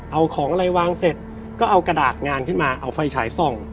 เอาของอะไรวางเสร็จก็เอากระดาษงานขึ้นมาเอาไฟฉายส่อง